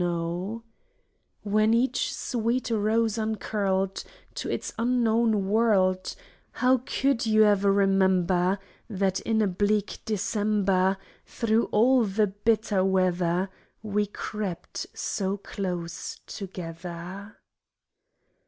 74 IN WINTRY WEATHER 75 When each sweet rose uncurled To its unknown world, How could you e'er remember That in a bleak December, Through all the bitter weather, We crept so close together?